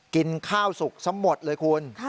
กินข้าวสุกซะหมดเลยคุณ